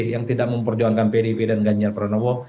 yang tidak memperjuangkan pdip dan ganjar pranowo